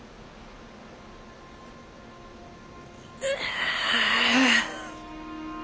ああ。